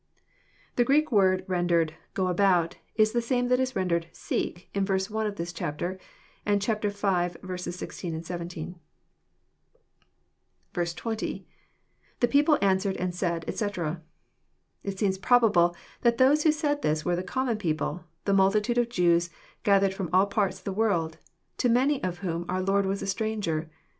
The Greek word rendered " go about," is the same that is rendered seek " in v. 1 of this chapter, and ch. v. 16, 18. 20.— [The people answered and said, etc.] It seems probable that those who said this were the comm^n^eople, the multitude of Jews gathered from all parts of the world, to many of whom our Lord was a stranger.